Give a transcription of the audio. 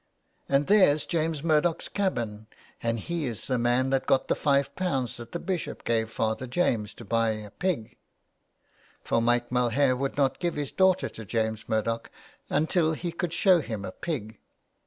And there's James Murdoch's cabin, and he is the man that got the five pounds that the bishop gave Father James to buy a pig, for Mike Mulhare would not give his daughter to James Murdoch until he could show him a pig."